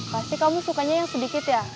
pasti kamu sukanya yang sedikit ya